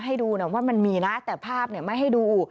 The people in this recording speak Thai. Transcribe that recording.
ให้ดูนะว่ามันมีนะแต่ภาพไม่ให้ดู